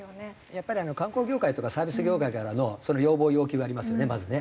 やっぱり観光業界とかサービス業界からの要望要求がありますよねまずね。